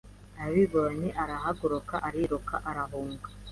abibonye arahaguruka ariruka arahunga